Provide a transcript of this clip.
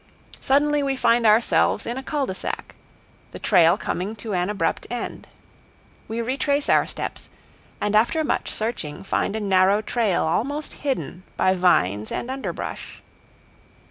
Suddenly we find ourselves in a cul de sac; the trail coming to an abrupt end. We retrace our steps, and after much searching, find a narrow trail almost hidden by vines and underbrush.